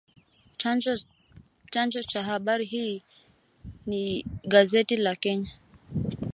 Chanzo cha habari hii ni gazeti la Kenya